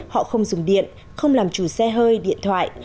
họ không dùng điện không làm chủ xe hơi điện thoại